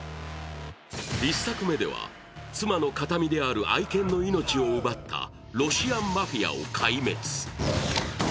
１作目では妻の形見である愛犬の命を奪ったロシアンマフィアを壊滅。